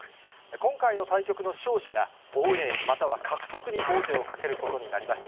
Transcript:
今回の対局の勝者が、防衛、または獲得に王手をかけることになります。